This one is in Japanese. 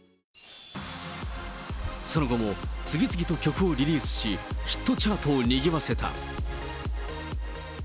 その後も次々と曲をリリースし、ヒットチャートをにぎわせた。